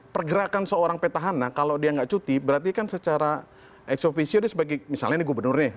pergerakan seorang petahana kalau dia nggak cuti berarti kan secara ex officio dia sebagai misalnya ini gubernurnya